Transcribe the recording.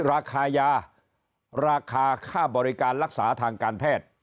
ราคายาราคาค่าบริการรักษาทางการแพทย์